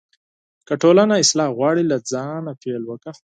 که ټولنه اصلاح غواړې، له ځانه پیل وکړه.